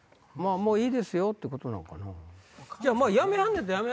もういいですよ！ってことかな。